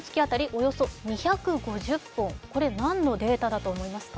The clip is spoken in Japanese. およそ２５０本、これ何のデータだと思いますか？